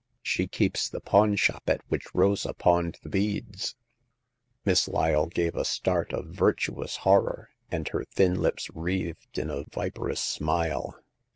*' She keeps the pawn shop at which Rosa pawned the beads !'' Miss Lyle gave a start of virtuous horror, and her thin lips wreathed in a viperous smile.